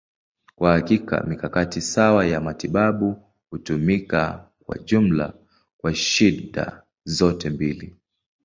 Kwa hakika, mikakati sawa ya matibabu hutumika kwa jumla kwa shida zote mbili.